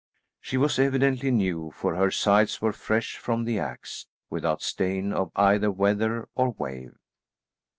She was evidently new for her sides were fresh from the axe, without stain of either weather or wave.